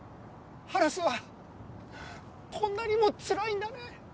ハラスはこんなにもつらいんだね。